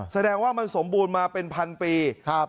แสดงว่ามันสมบูรณ์มาเป็นพันปีครับ